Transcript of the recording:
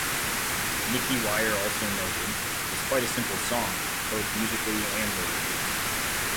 Nicky Wire also noted, It's quite a simple song, both musically and lyrically.